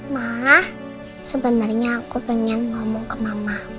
malah sebenarnya aku pengen ngomong ke mama